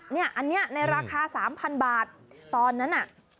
เนี่ยอันเนี้ยในราคาสามพันบาทตอนนั้นอ่ะ